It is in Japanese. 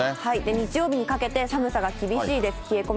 日曜日にかけて寒さが厳しいです。